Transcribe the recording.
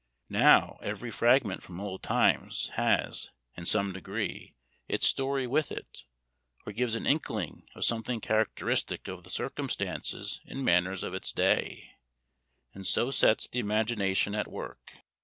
Now every fragment from old times has, in some degree, its story with it, or gives an inkling of something characteristic of the circumstances and manners of its day, and so sets the imagination at work."